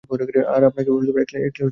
আর আপনাকেও একলা যেতে দিতে পারিনা।